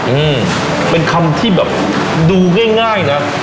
อืมเป็นคำที่แบบดูง่ายง่ายนะ